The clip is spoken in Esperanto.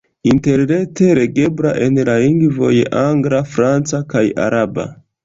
Interrete legebla en la lingvoj angla, franca kaj araba.